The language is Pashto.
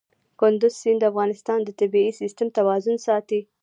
کندز سیند د افغانستان د طبعي سیسټم توازن ساتي.